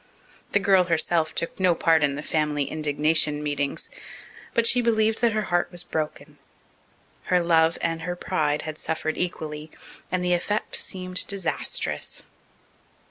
The girl herself took no part in the family indignation meetings. But she believed that her heart was broken. Her love and her pride had suffered equally, and the effect seemed disastrous.